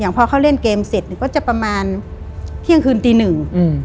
อย่างพอเขาเล่นเกมเสร็จก็จะประมาณเที่ยงคืนตีหนึ่ง